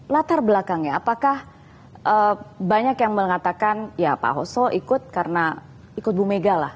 latar belakangnya apakah banyak yang mengatakan ya pak oso ikut karena ikut bu mega lah